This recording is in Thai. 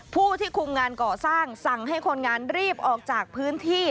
ผู้ที่คุมงานก่อสร้างสั่งให้คนงานรีบออกจากพื้นที่